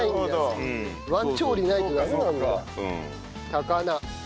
高菜。